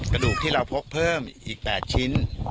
กระดูกที่เราพกเพิ่มอีก๘ชิ้น